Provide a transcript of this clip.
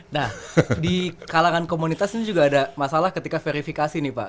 nah di kalangan komunitas ini juga ada masalah ketika verifikasi nih pak